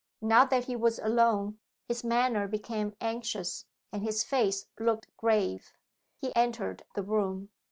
Now that he was alone, his manner became anxious, and his face looked grave. He entered the room.